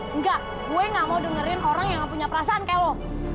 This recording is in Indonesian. enggak gue gak mau dengerin orang yang gak punya perasaan kayak loh